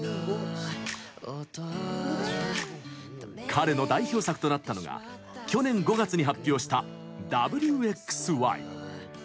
彼の代表作となったのが去年５月に発表した「Ｗ／Ｘ／Ｙ」。